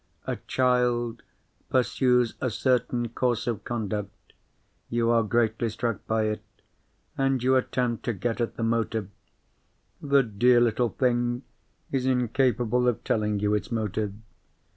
"A child pursues a certain course of conduct. You are greatly struck by it, and you attempt to get at the motive. The dear little thing is incapable of telling you its motive.